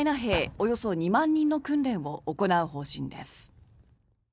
およそ２万人の訓練を行う方針です。